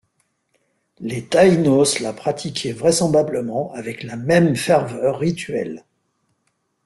Les Taïnos la pratiquaient vraisemblablement avec la même ferveur rituelle.